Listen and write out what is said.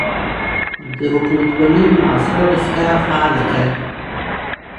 د حکومتوالۍ معاصره دستګاه فعاله کړه.